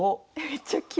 めっちゃ急。